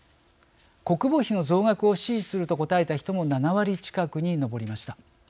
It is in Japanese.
国防費の増額を支持すると答えた人も７割近くに上りました。